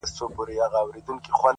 د خاموش کور فضا د ذهن خبرې لوړوي،